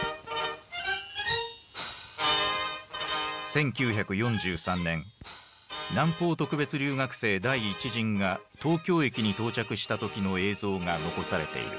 １９４３年南方特別留学生第１陣が東京駅に到着した時の映像が残されている。